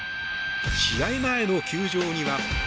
試合前の球場には。